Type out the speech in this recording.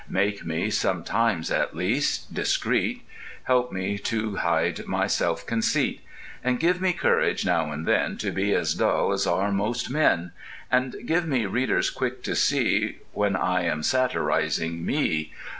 Make me (sometimes at least) discreet; Help me to hide my self conceit, And give me courage now and then To be as dull as are most men. And give me readers quick to see When I am satirizing Me....